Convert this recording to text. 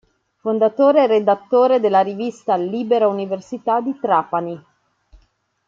Fondatore e redattore della rivista Libera Università di Trapani.